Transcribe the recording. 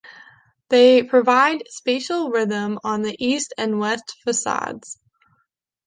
They provide spatial rhythm on the east and west facades.